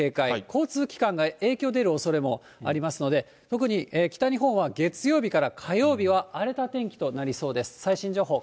交通機関が影響出るおそれもありますので、特に北日本は月曜日から火曜日は荒れた天気となりそうです。